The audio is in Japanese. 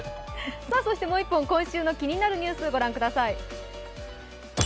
そしてもう１本、今週の気になるニュース御覧ください。